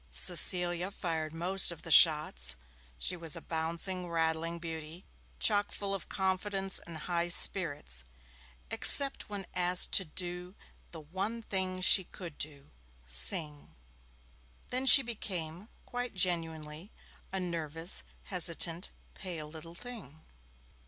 Cecilia fired most of the shots; she was a bouncing, rattling beauty, chockful of confidence and high spirits, except when asked to do the one thing she could do sing! Then she became quite genuinely a nervous, hesitant, pale little thing.